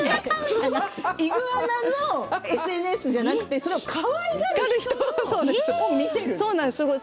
イグアナ、のＳＮＳじゃなくてそれをかわいがる人のＳＮＳ？